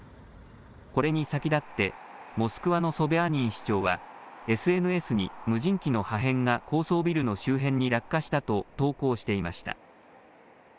これに先立ってモスクワのソビャーニン市長はＳＮＳに無人機の破片が高層ビルの周辺に落下したと投稿していました。